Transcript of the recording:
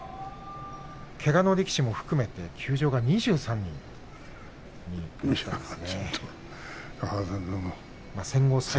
けがの力士も含めて休場は２３人です。